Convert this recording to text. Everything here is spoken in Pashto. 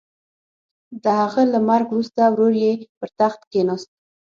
د هغه له مرګ وروسته ورور یې پر تخت کېناست.